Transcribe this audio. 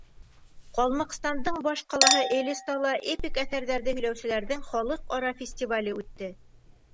Ҡалмыҡстандың баш ҡалаһы Элистала эпик әҫәрҙәрҙе һөйләүселәрҙең халыҡ-ара фестивале үтте.